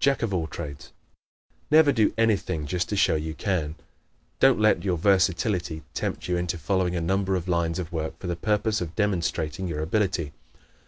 Jack of All Trades ¶ Never do anything just to show you can. Don't let your versatility tempt you into following a number of lines of work for the purpose of demonstrating your ability.